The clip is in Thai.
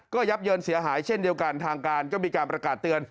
ก็ยับเยินเสียหายเช่นเดียวกันทางการก็มีการประกาศเตือน